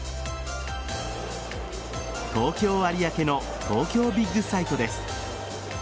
東京・有明の東京ビッグサイトです。